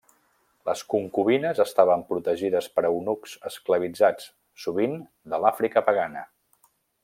Les concubines estaven protegides per eunucs esclavitzats, sovint de l'Àfrica pagana.